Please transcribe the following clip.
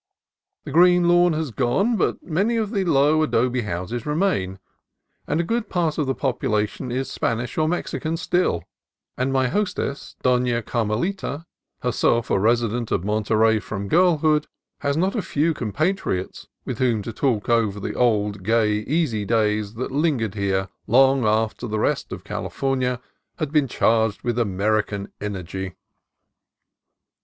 The green lawn has gone, but many of the low adobe houses remain, and a good part of the population is Spanish or Mexican still; and my hostess, Dona Carmelita, herself a resident of Monterey from girlhood, has not a few compatriots with whom to talk over the old, gay, easy days that lingered here long after the rest of California had become charged with American energy.